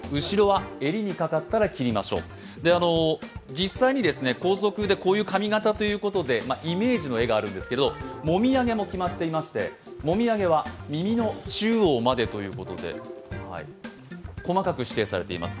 実際に校則でこういう髪形ということでイメージの絵があるんですけどもみあげも決まっていましてもみあげは耳の中央までということで、細かく指定されています。